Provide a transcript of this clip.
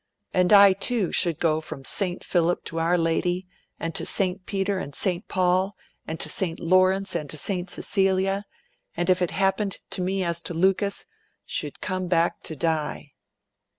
'And I too should go from St. Philip to Our Lady, and to St. Peter and St. Paul, and to St. Laurence and to St. Cecilia, and, if it happened to me as to Lucas, should come back to die.'